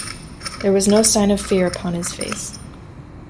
There was no sign of fear upon his face.